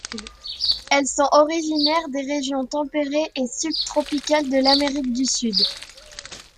Elles sont originaires des régions tempérées et subtropicales de l'Amérique du Sud.